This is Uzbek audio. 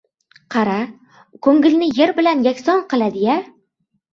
– Qara, ko‘ngilni yer bilan yakson qiladi-ya…